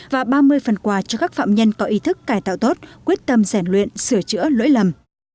và ba mươi phần quà cho các phạm nhân có ý thức cải tạo tốt quyết tâm giản luyện sửa chữa lỗi lầm